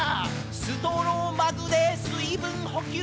「ストローマグで水分補給」